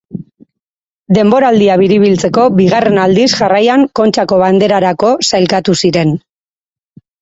Denboraldia biribiltzeko bigarren aldiz jarraian Kontxako Banderarako sailkatu ziren.